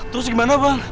terus gimana bang